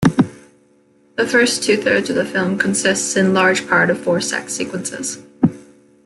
The first two-thirds of the film consists in large part of four sex sequences.